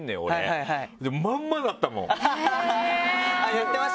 やってました！